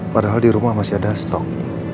padahal di rumah masih ada stok